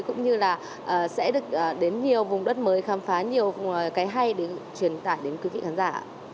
cũng như là sẽ được đến nhiều vùng đất mới khám phá nhiều cái hay để truyền tải đến quý vị khán giả